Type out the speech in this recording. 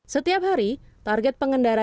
setiap hari target pengendara